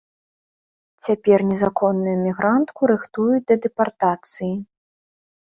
Цяпер незаконную мігрантку рыхтуюць да дэпартацыі.